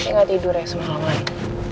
masih gak tidur ya semalam lagi